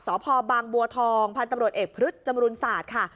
สภบางบัวทองพตเอกพฤษจศาสตร์ค่ะ